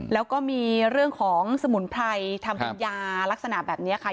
แล้วก็มีเรื่องของสมุนไพรทำเป็นยาลักษณะแบบนี้ค่ะ